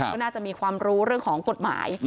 ก็น่าจะมีความรู้เรื่องของกฎหมาย